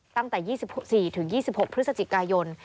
ตั้งแต่๒๔๒๖พฤศจิกายน